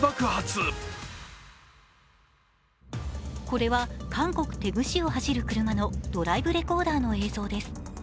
これは韓国・テグ市を走る車のドライブレコーダーの映像です。